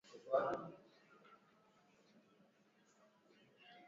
Rai hiyo imetolewa jijini